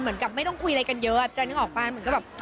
เหมือนกับไม่ต้องคุยอะไรกันเยอะ